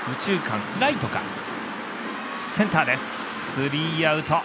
スリーアウト。